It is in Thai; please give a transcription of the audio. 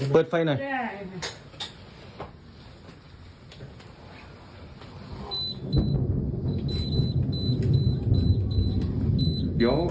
เปิดไฟหน่อย